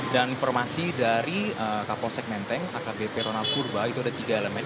dan informasi dari kapolsek menteng akbp ronald kurba itu ada tiga elemen